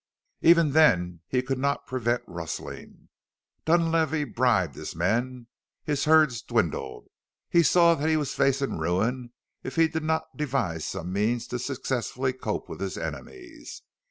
"Even then he could not prevent rustling. Dunlavey bribed his men; his herds dwindled; he saw that he was facing ruin if he did not devise some means to successfully cope with his enemies.